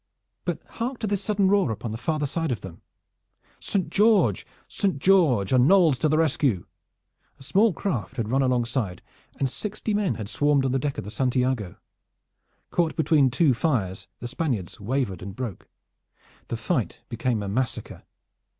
But hark to this sudden roar upon the farther side of them "Saint George! Saint George! A Knolles to the rescue!" A small craft had run alongside and sixty men had swarmed on the deck of the St. Iago. Caught between two fires, the Spaniards wavered and broke. The fight became a massacre.